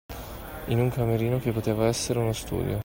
In un camerino che poteva essere uno studio